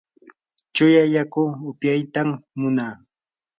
chuya yaku upyaytam munaa.